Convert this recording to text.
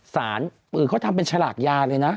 เขาทำเป็นฉลากยาเลยนะ